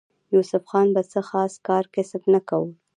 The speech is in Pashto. يوسف خان به څۀ خاص کار کسب نۀ کولو